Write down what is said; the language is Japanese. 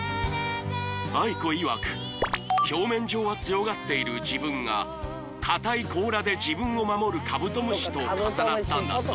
ａｉｋｏいわく表面上は強がっている自分が硬い甲羅で自分を守るカブトムシと重なったんだ